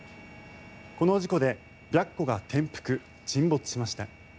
この事故で「白虎」が転覆・沈没しました。